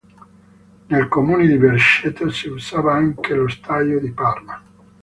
Nel comune di Berceto si usava anche lo staio di Parma.